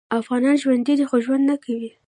افغانان ژوندي دې خو ژوند نکوي